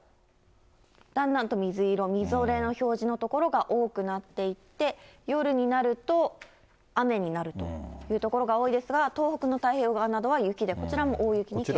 だんだんと水色、みぞれの表示の所が多くなっていって、夜になると、雨になるという所が多いですが、東北の太平洋側などは雪で、こちらも大雪に警戒が必要。